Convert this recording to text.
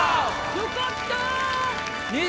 よかった。